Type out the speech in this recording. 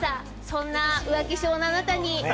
そんな浮気性のあなたに。